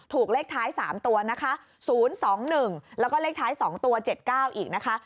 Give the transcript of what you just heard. ถูกเลขท้าย๓ตัวนะคะ๐๒๑แล้วก็เลขท้าย๒ตัว๗๙อีกนะคะ